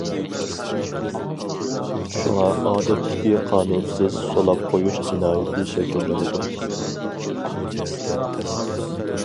شۇڭا ئادەتتىكى قانۇنسىز سولاپ قويۇش جىنايىتى شەكىللىنىدۇ.